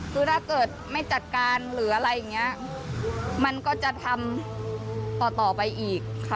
คือถ้าเกิดไม่จัดการหรืออะไรอย่างนี้มันก็จะทำต่อไปอีกค่ะ